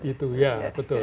itu ya betul